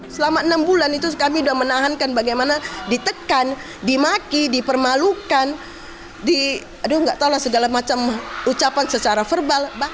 selama enam bulan itu kami sudah menahankan bagaimana ditekan dimaki dipermalukan aduh nggak tahulah segala macam ucapan secara verbal